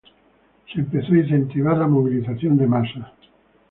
Se empezó a incentivar la movilización de masas.